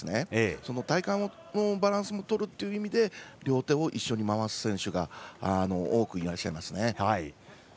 その体幹のバランスをとるという意味で両手を一緒に回す選手が多くいらっしゃいますね。